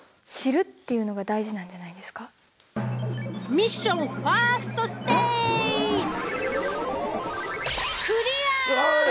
ミッションファーストステージわあえっ！？